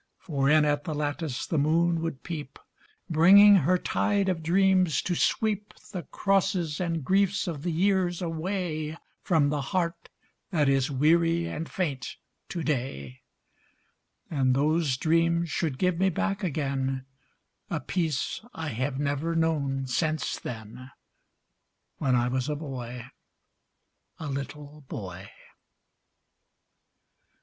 For in at the lattice the moon would peep, Bringing her tide of dreams to sweep The crosses and griefs of the years away From the heart that is weary and faint to day; And those dreams should give me back again A peace I have never known since then Ś When I was a boy, a little boy!